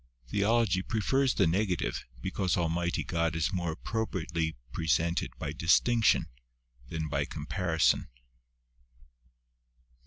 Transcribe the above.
Theology prefers the negative be cause Almighty God is more appropriately presented by distinction than by comparison.